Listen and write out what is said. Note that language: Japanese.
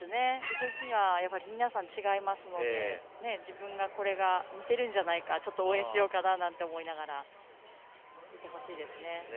動きは皆さん違いますので自分、これが似ているんじゃないかちょっと応援しようかなんて思いながら見てほしいですね。